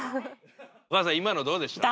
お母さん今のどうでした？